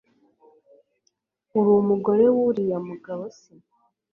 Urumugore wuriya mugabo se